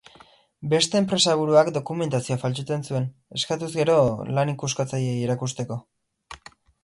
Beste enpresaburuak dokumentazioa faltsutzen zuen, eskatuz gero, lan-ikuskatzaileei erakusteko.